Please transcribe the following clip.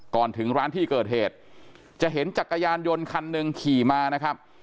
ก่อนถึงร้านที่เกิดเหตุจะเห็นจักรยานยนต์คันหนึ่งขี่มานะครับ